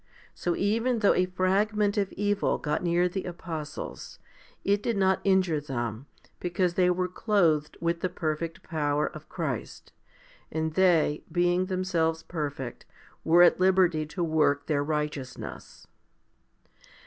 So even though a fragment of evil got near the apostles, it did not injure them, because they were clothed with the perfect power of Christ, and they, being themselves perfect, were at liberty to work their righteousnesses.